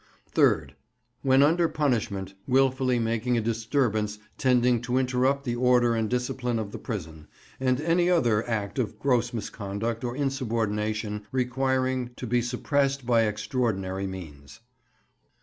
3rd. When under punishment, wilfully making a disturbance tending to interrupt the order and discipline of the prison, and any other act of gross misconduct or insubordination requiring to be suppressed by extraordinary means.